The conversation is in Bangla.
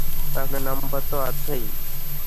আপনার নাম্বার তো আছেই।